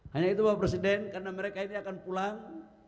hanya itu bapak presiden karena mereka ini akan pulang